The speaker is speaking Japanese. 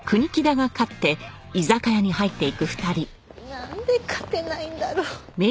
なんで勝てないんだろう。